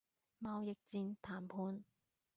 貿易戰談判